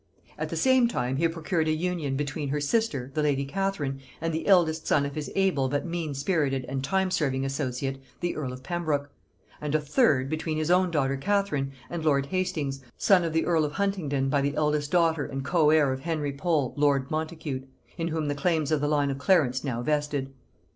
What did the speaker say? At the same time he procured an union between her sister, the lady Catherine, and the eldest son of his able but mean spirited and time serving associate, the earl of Pembroke; and a third between his own daughter Catherine and lord Hastings, son of the earl of Huntingdon by the eldest daughter and co heir of Henry Pole lord Montacute; in whom the claims of the line of Clarence now vested.